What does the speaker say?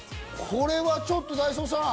これはちょっとダイソーさん。